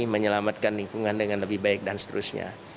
menyelamatkan lingkungan dengan lebih baik dan seterusnya